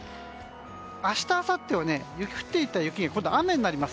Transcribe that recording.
明日あさって降っていた雪が雨になります。